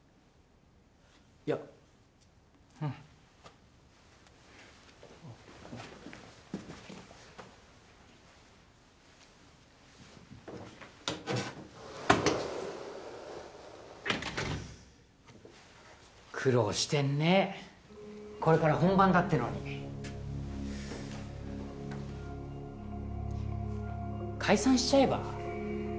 いやうん苦労してんねぇこれから本番だってのに解散しちゃえば？